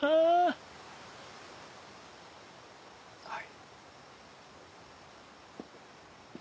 はい。